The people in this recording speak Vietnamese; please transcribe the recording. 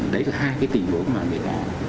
đấy là hai cái tình huống mà người ta